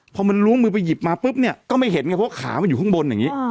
พอมันล้วงมือไปหยิบมาปุ๊บเนี่ยก็ไม่เห็นไงเพราะขามันอยู่ข้างบนอย่างนี้